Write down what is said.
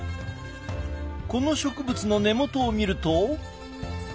この植物の根元を見ると。